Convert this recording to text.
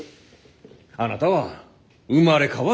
あなたは生まれ変わる！